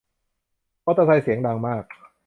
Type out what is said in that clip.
มอเตอร์ไซด์เสียงดังมาก